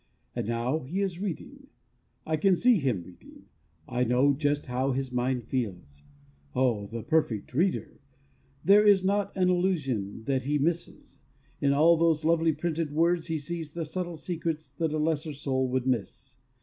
And now he is reading. I can see him reading. I know just how his mind feels! Oh, the Perfect Reader! There is not an allusion that he misses; in all those lovely printed words he sees the subtle secrets that a lesser soul would miss.